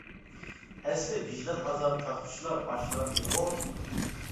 ئەسلى ۋىجدان ئازابى تارتقۇچىلار ئاشۇلار ئىدىغۇ؟ .